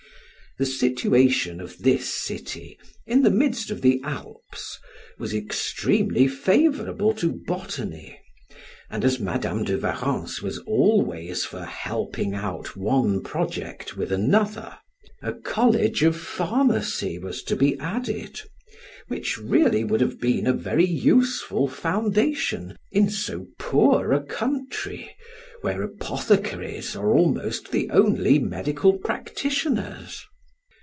The situation of this city, in the midst of the Alps, was extremely favorable to botany, and as Madam de Warrens was always for helping out one project with another, a College of Pharmacy was to be added, which really would have been a very useful foundation in so poor a country, where apothecaries are almost the only medical practitioners.